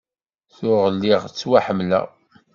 Tuɣ lliɣ ttwaḥemmleɣ.